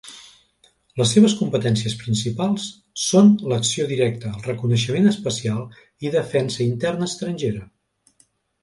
Les seves competències principals són l'acció directa, el reconeixement especial i defensa interna estrangera.